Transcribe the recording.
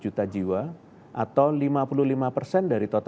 pulau jawa juga merupakan pulau yang paling padat di indonesia